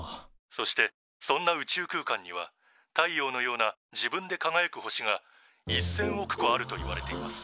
「そしてそんな宇宙空間には太陽のような自分でかがやく星が１，０００億個あるといわれています」。